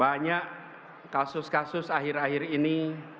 banyak kasus kasus yang terjadi di negara ini